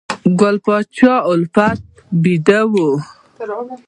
ګل پاچا الفت بیده و